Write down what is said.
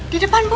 di depan bu